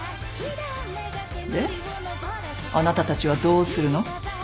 あなたたちはどうするの？